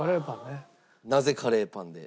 なぜカレーパンで？